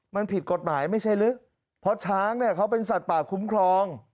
มันผิดกฎหมายไม่ใช่ลึกเพราะช้างเนี่ยเขาเป็นสัตว์ป่าคุ้มครอง